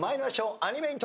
アニメイントロ。